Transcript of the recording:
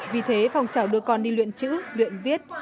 vì thế phong trào đưa con đi luyện chữ luyện viết